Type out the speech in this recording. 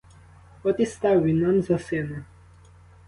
От і став він нам за сина.